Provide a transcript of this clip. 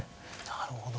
なるほど。